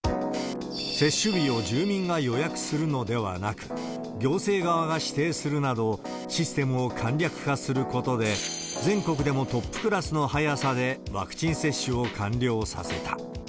接種日を住民が予約するのでなく、行政側が指定するなど、システムを簡略化することで、全国でもトップクラスの速さでワクチン接種を完了させた。